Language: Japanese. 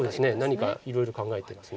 何かいろいろ考えてます。